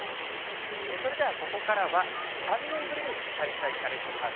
それでは、ここからは３年ぶりに開催されています